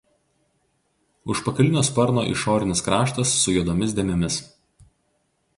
Užpakalinio sparno išorinis kraštas su juodomis dėmėmis.